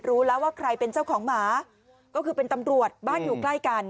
รู้แล้วว่าใครเป็นเจ้าของหมาก็คือเป็นตำรวจบ้านอยู่ใกล้กัน